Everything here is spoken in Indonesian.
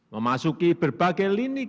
memasuki berbagai lini kehidupan kita